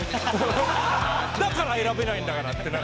だから選べないんだから！ってなる。